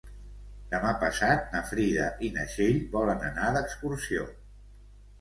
Demà passat na Frida i na Txell volen anar d'excursió.